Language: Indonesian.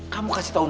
kamu kasih tahu mas